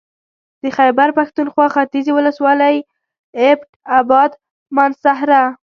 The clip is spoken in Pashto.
د خېبر پښتونخوا ختيځې ولسوالۍ اېبټ اباد مانسهره